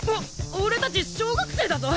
俺達小学生だぞ！